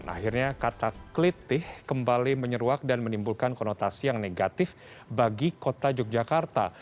akhirnya kata kelitih kembali menyeruak dan menimbulkan konotasi yang negatif bagi kota yogyakarta